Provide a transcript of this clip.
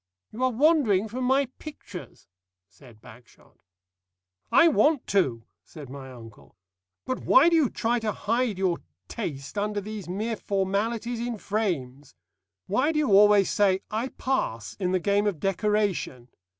"You are wandering from my pictures," said Bagshot. "I want to," said my uncle. "But why do you try and hide your taste under these mere formalities in frames? Why do you always say 'I pass' in the game of decoration?